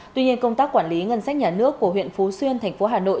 tuy nhiên công tác quản lý ngân sách nhà nước của huyện phú xuyên thành phố hà nội